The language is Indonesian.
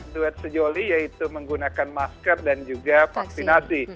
duet sejoli yaitu menggunakan masker dan juga vaksinasi